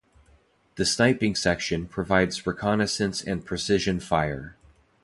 The Sniping section provides reconnaissance and precision fire.